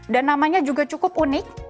dan namanya juga cukup unik